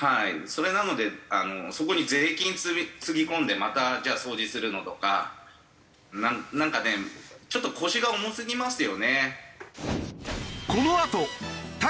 それなのでそこに税金つぎ込んでまたじゃあ掃除するのとかなんかねちょっと腰が重すぎますよね。